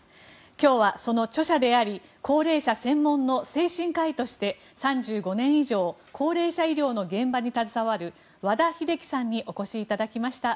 今日は、その著者であり高齢者専門の精神科医として３５年以上高齢者医療の現場に携わる和田秀樹さんにお越しいただきました。